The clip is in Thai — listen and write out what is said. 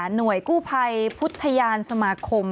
หน่วยกู้ภัยพุทธยานสมาคม